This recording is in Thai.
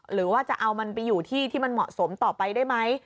หรือว่าจะเอามันไปอยู่ที่ที่มันเหมาะสมต่อไปได้ไหม